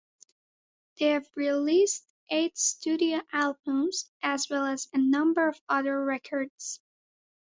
They have released eight studio albums, as well as a number of other records.